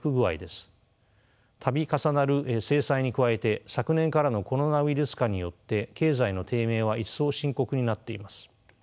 度重なる制裁に加えて昨年からのコロナウイルス禍によって経済の低迷は一層深刻になっています。